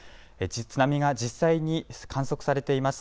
津波が実際に観測されています。